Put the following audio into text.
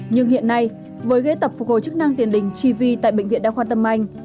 nhưng hiện nay với ghế tập phục hồi chức năng tiền đình chi vi tại bệnh viện đa khoa tâm anh